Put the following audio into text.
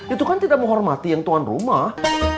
itu kan tidak menghormati yang tuan rumah